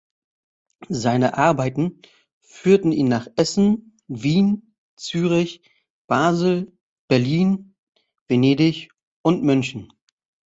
Seine Arbeiten führten ihn nach Essen, Wien, Zürich, Basel, Berlin, Venedig und München.